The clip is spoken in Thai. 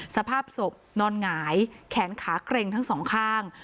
สภาพศพนอนหงายแขนขาเกร็งทั้งสองข้าง